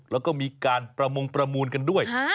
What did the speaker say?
แล้วก็มีการประมงประมูลกันด้วย